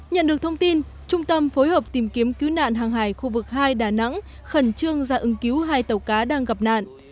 nhận được thông tin trung tâm phối hợp tìm kiếm cứu nạn hàng hải khu vực hai đà nẵng khẩn trương ra ứng cứu hai tàu cá đang gặp nạn